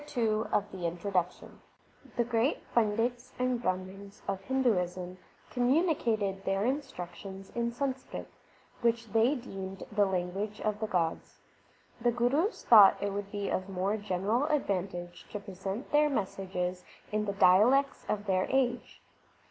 THE SIKH RELIGION CHAPTER II The great Pandits and Brahmans of Hinduism communi cated their instructions in Sanskrit, which they deemed the language of the gods. The Gurus thought it would be of more general advantage to present their messages in the dialects of their age.